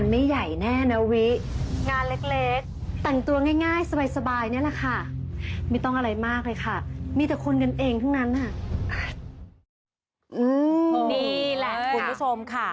นี่แหละคุณผู้ชมค่ะ